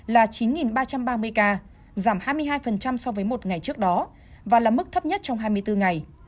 là chín ba trăm ba mươi ca giảm hai mươi hai so với một ngày trước đó và là mức thấp nhất trong hai mươi bốn ngày